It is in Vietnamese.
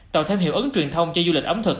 tạo thêm hiệu ứng truyền thông cho du lịch ẩm thực